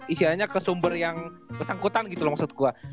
isinya ke sumber yang kesangkutan gitu loh maksud gue